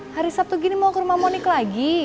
hari sabtu gini mau ke rumah monika lagi